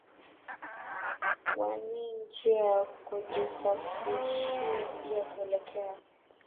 wa ni njia ya kujishafishia njia kuelekea